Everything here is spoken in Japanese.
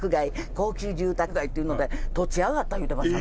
高級住宅街！」って言うので土地上がった言うてました。